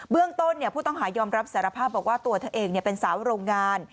เรื่องต้นผู้ต้องหายอมรับสารภาพบอกว่าตัวเธอเองเป็นสาวโรงงาน